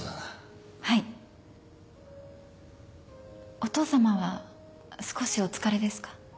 お父さまは少しお疲れですか？